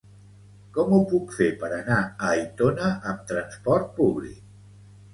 Com ho puc fer per anar a Aitona amb trasport públic?